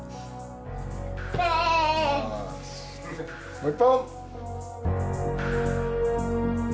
もう一本！